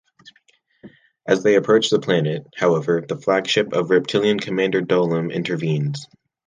As they approach the planet, however, the flagship of Reptilian Commander Dolim intervenes.